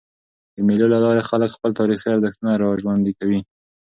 د مېلو له لاري خلک خپل تاریخي ارزښتونه راژوندي کوي.